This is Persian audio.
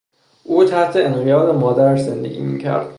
او تحت انقیاد مادرش زندگی میکرد.